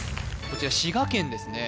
こちら滋賀県ですね